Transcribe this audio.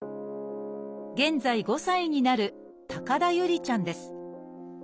現在５歳になる田侑里ちゃんです。